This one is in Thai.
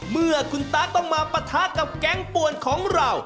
เมื่อคุณตาต้องมาปะทะกับแก๊งป่วนของเรา